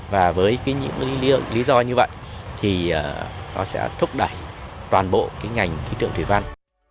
và với những lý do như vậy thì nó sẽ thúc đẩy toàn bộ ngành khí tượng thủy văn